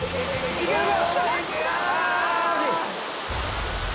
いけるか！